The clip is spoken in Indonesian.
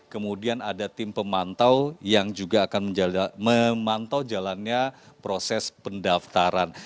kemudian ada tim pemantau yang juga akan memantau jalannya proses pendaftaran